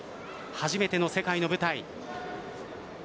初めての世界の舞台。